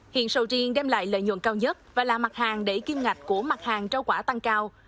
hiện sầu riêng đem lại lợi nhuận cao nhất và là mặt hàng để kim ngạch của mặt hàng rau quả tăng cao